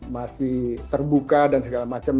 masih terbuka dan segala macam